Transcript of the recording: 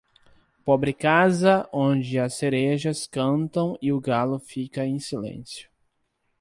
Pobre casa, onde as cerejas cantam e o galo fica em silêncio.